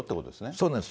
そうなんです。